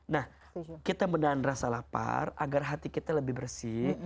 nah kita menahan rasa lapar agar hati kita lebih bersih